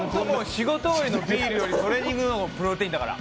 仕事終わりのビールよりトレーニング後のプロテインだから。